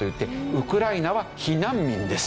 ウクライナは避難民です。